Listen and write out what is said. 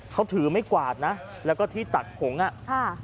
เขาถือไม่กวาดนะแล้วก็ที่ตักผงอ่ะค่ะ